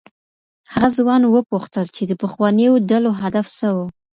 هغه ځوان وپوښتل چي د پخوانيو ډلو هدف څه و.